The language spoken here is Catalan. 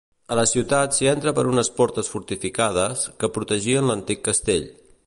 A la ciutat s'hi entra per unes portes fortificades, que protegien l'antic castell.